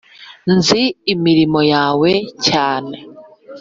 ‘Nzi imirimo yawe cyane